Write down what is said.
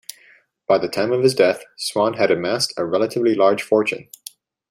By the time of his death, Swan had amassed a relatively large fortune.